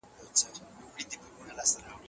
استازي تل په تالار کي خپله رايه کاروي.